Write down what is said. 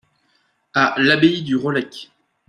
À l'abbaye du Relecq.